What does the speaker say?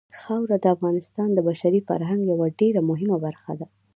خاوره د افغانستان د بشري فرهنګ یوه ډېره مهمه برخه ده.